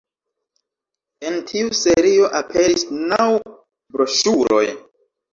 En tiu serio aperis naŭ broŝuroj.